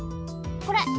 これ。